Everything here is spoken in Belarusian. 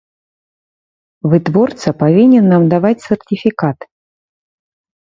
Вытворца павінен нам даваць сертыфікат.